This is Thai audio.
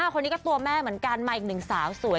คนนี้ก็ตัวแม่เหมือนกันมาอีกหนึ่งสาวสวย